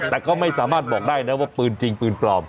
แต่ก็ไม่สามารถบอกได้นะว่าปืนจริงปืนปลอม